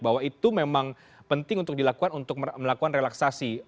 bahwa itu memang penting untuk dilakukan untuk melakukan relaksasi